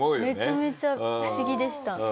めちゃめちゃ不思議でした。